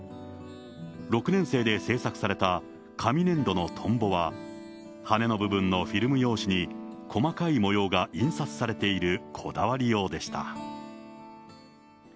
６年生で制作された紙粘土のとんぼは、羽の部分のフィルム用紙に細かい模様が印刷されているこだわりようでした。